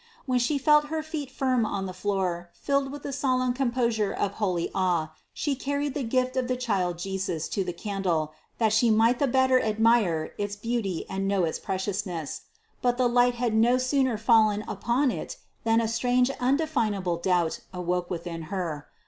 When she felt her feet firm on the floor, filled with the solemn composure of holy awe she carried the gift of the child Jesus to the candle, that she might the better admire its beauty and know its preciousness. But the light had no sooner fallen upon it than a strange undefinable doubt awoke within her.